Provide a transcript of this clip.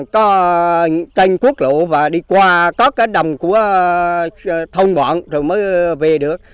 có tranh quốc lộ và đi qua có cả đồng của thông bọn rồi mới về được